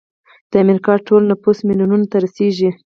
د امریکا ټول نفوس میلیونونو ته رسیږي.